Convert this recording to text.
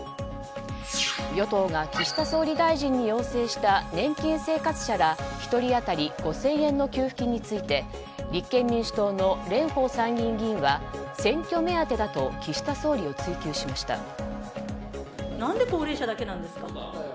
与党が岸田総理大臣に要請した年金生活者ら１人当たり５０００円の給付金について立憲民主党の蓮舫参議院議員は選挙目当てだと岸田総理を追及しました。